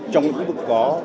trong những ngân vực có